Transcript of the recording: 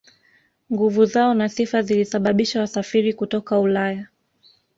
Nguvu zao na sifa zilisababisha wasafiri kutoka Ulaya